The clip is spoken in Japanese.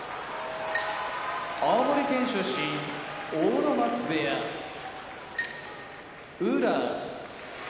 青森県出身阿武松部屋宇良